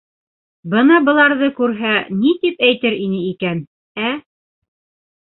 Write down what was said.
Бына быларҙы күрһә, ни тип әйтер ине икән, ә?